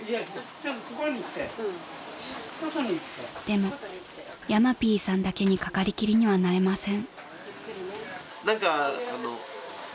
［でもヤマピーさんだけにかかりきりにはなれません］